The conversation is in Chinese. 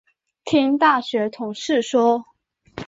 听大学同事说